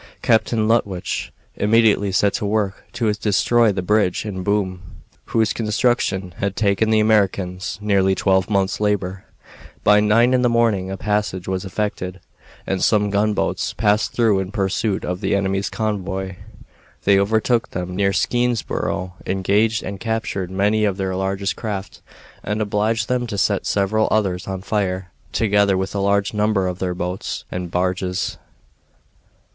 Captain Lutwych immediately set to work to destroy the bridge and boom, whose construction had taken the Americans nearly twelve months' labor. By nine in the morning a passage was effected, and some gunboats passed through in pursuit of the enemy's convoy. They overtook them near Skenesborough, engaged and captured many of their largest craft, and obliged them to set several others on fire, together with a large number of their boats and barges.